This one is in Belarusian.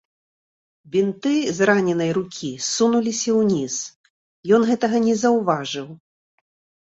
Бінты з раненай рукі ссунуліся ўніз, ён гэтага не заўважыў.